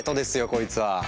こいつはァ！